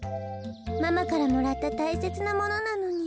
ママからもらったたいせつなものなのに。